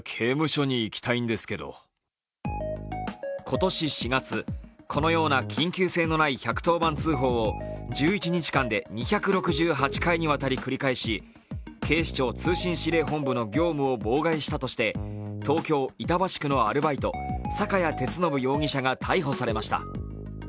今年４月、このような緊急性のない１１０番通報を１１日間で２６８回にわたり繰り返し、警視庁通信指令本部の業務を妨害したとして東京・板橋区のアルバイト坂屋哲伸容疑者が逮捕されました。